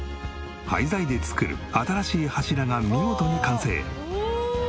廃材で作る新しい柱が見事に完成。